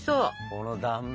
この断面。